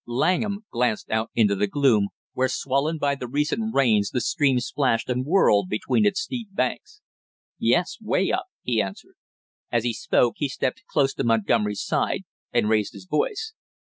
Langham glanced out into the gloom, where swollen by the recent rains the stream splashed and whirled between its steep banks. "Yes, way up!" he answered. As he spoke he stepped close to Montgomery's side and raised his voice.